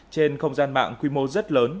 trên không gian mạng quy mô rất lớn